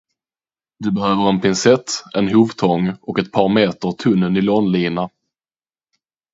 Du behöver en pincett, en hovtång och ett par meter tunn nylonlina.